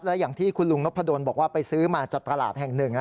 และอย่างที่คุณลุงนพดลบอกว่าไปซื้อมาจากตลาดแห่งหนึ่ง